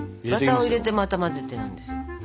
バターを入れてまた混ぜてなんですよ。